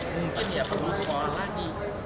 mungkin ya perlu sekolah lagi